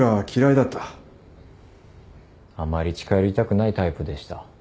あまり近寄りたくないタイプでした。